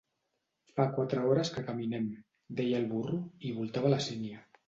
Fa quatre hores que caminem —deia el burro. I voltava la sínia.